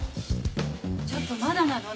ちょっとまだなの？